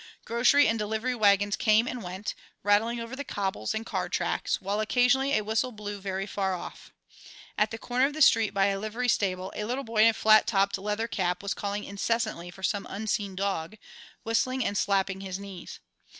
Grocery and delivery wagons came and went, rattling over the cobbles and car tracks, while occasionally a whistle blew very far off. At the corner of the street by a livery stable a little boy in a flat topped leather cap was calling incessantly for some unseen dog, whistling and slapping his knees.